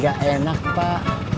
gak enak pak